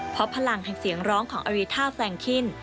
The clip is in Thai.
เพราะพลังแห่งเสียงร้องของอารีท่าแซงคิน